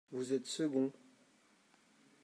vous êtes second.